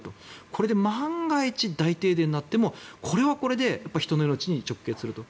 これで万が一、大停電になってもこれはこれでやっぱり人の命に直結すると。